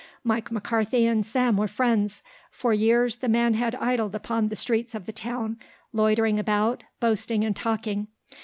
Mike McCarthy and Sam were friends. For years the man had idled upon the streets of the town, loitering about, boasting and talking.